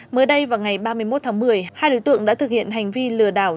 mới đây vào ngày ba mươi một tháng một mươi hai đối tượng đã thực hiện hành vi lừa đảo